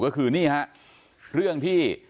ก็คือนี่ฮะเรื่องที่